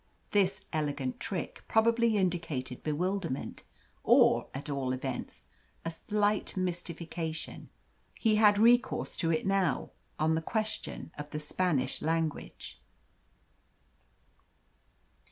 This elegant trick probably indicated bewilderment, or, at all events, a slight mystification he had recourse to it now on the question of the Spanish language.